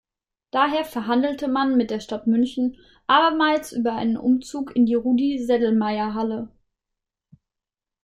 Daher verhandelte man mit der Stadt München abermals über einen Umzug in die Rudi-Sedlmayer-Halle.